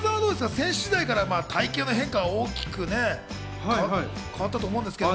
選手時代から体形の変化が大きいと変わったと思うんですけど。